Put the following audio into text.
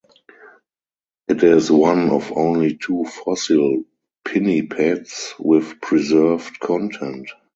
It is one of only two fossil pinnipeds with preserved content.